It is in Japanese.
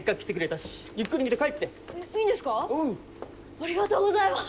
ありがとうございます！